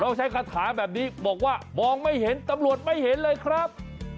ใช้คาถาแบบนี้บอกว่ามองไม่เห็นตำรวจไม่เห็นเลยครับ